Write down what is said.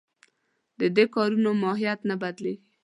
د دې کارونو ماهیت نه بدلېږي.